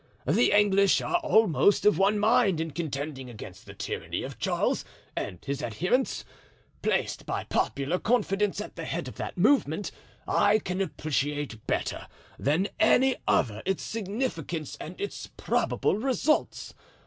The English are almost of one mind in contending against the tyranny of Charles and his adherents. Placed by popular confidence at the head of that movement, I can appreciate better than any other its significance and its probable results.